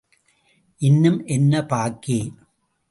இன்னும் என்ன பாக்கி?